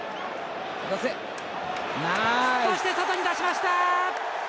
そして、外に出しました！